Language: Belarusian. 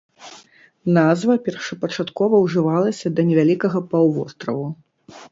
Назва першапачаткова ўжывалася да невялікага паўвостраву.